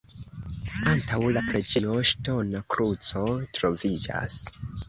Antaŭ la preĝejo ŝtona kruco troviĝas.